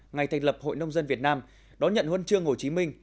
ngày thành lập hội nông dân việt nam đón nhận huân chương hồ chí minh